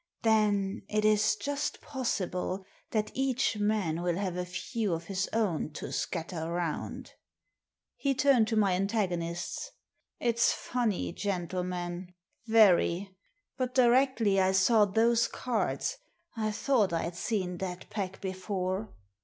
Then, it is just possible that each man will have a few of his own to scatter round." He turned to my antagonists. "It's funny, gentlemen, very — but directly I saw those cards I thought I'd seen that pack before.